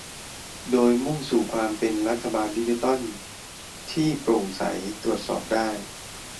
โดยมุ่งสู่ความเป็นรัฐบาลดิจิทัลที่โปร่งใสตรวจสอบได้